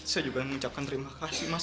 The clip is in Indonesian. saya juga mengucapkan terima kasih mas